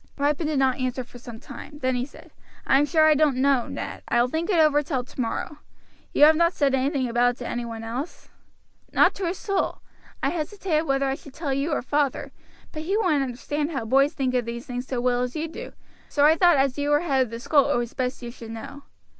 Ripon did not answer for some time; then he said: "I am sure I don't know, Ned; I will think it over till tomorrow. You have not said anything about it to any one else?" "Not to a soul. I hesitated whether I should tell you or father, but he wouldn't understand how boys think of these things so well as you do; so I thought as you were head of the school it was best you should know."